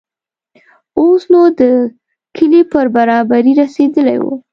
اوس نو د کلي پر برابري رسېدلي وو.